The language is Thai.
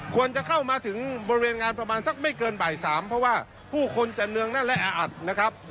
ควรจะเข้ามาถึงบริเวณงานประมาณสักไม่เกินบ่าย๓เพราะว่าผู้คนจะเนืองแน่นและแออัดนะครับ